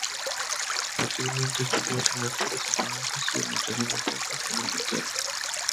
Posteriormente estudió asignaturas en finanzas y administración de empresas en Inglaterra.